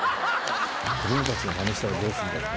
子どもたちがまねしたらどうするんだって。